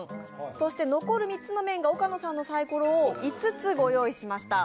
そして残る３つの面が岡野さんのサイコロを５つご用意しました。